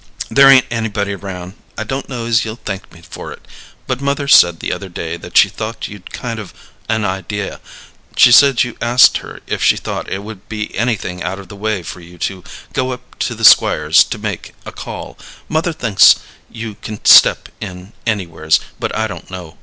There ain't anybody 'round. I don't know as ye'll thank me for it but mother said the other day that she thought you'd kind of an idea she said you asked her if she thought it would be anything out of the way for you to go up to the Squire's to make a call. Mother she thinks you can step in anywheres, but I don't know.